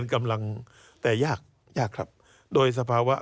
การเลือกตั้งครั้งนี้แน่